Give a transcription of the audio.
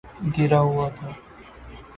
گرا ہوا تھا